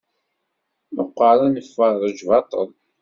Meqqar ad nferreǧ baṭṭel.